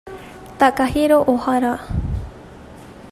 Takahiro Ohara